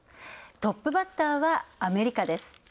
トップバッターはアメリカです。